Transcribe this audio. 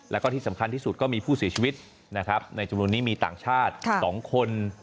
แล้วก็ที่สำคัญที่สุดก็มีผู้เสียชีวิตนะครับในจำนวนนี้มีต่างชาติ๒คน